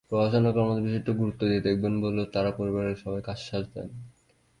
প্রশাসনের কর্মকর্তারা বিষয়টি গুরুত্ব দিয়ে দেখবেন বলেও তাঁরা পরিবারের সবাইকে আশ্বাস দেন।